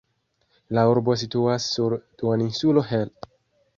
La urbo situas sur duoninsulo Hel.